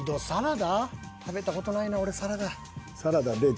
食べた事ないな俺サラダ。